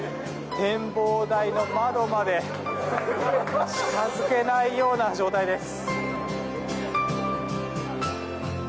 展望台の窓まで近付けないような状態です。